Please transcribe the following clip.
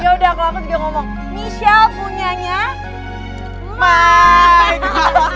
yaudah kalau aku juga ngomong michelle punyanya mike